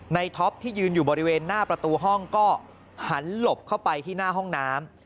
ท็อปที่ยืนอยู่บริเวณหน้าประตูห้องก็หันหลบเข้าไปที่หน้าห้องน้ำ